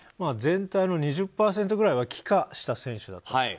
全体の２０％ぐらいは帰化した選手だと。